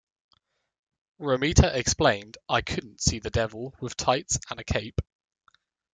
Romita explained, I couldn't see the Devil with tights and a cape.